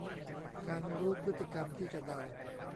การรู้พฤติกรรมที่จะเดา